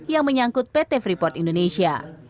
yang menyangkut pt freeport indonesia